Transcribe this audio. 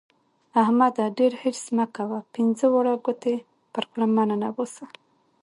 احمده! ډېر حرص مه کوه؛ پينځه واړه ګوتې پر خوله مه ننباسه.